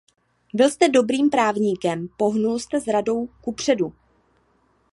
Byl jste dobrým právníkem; pohnul jste s Radou kupředu.